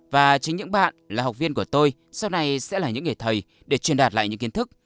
và chính những bạn là học viên của tôi sau này sẽ là những nghề thầy để truyền đạt lại những kiến thức